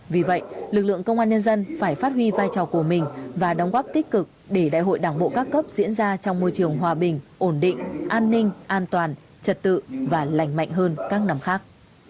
vì vậy lực lượng công an nhân dân phải phát huy vai trò của mình và đóng góp tích cực để đại hội đảng bộ các cấp diễn ra trong môi trường hòa bình ổn định an ninh an toàn trật tự và lành mạnh hơn các năm khác